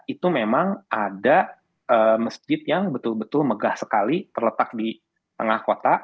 itu memang ada masjid yang betul betul megah sekali terletak di tengah kota